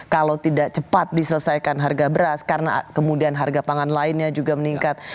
kalau tidak cepat diselesaikan harga beras karena kemudian harga pangan lainnya juga meningkat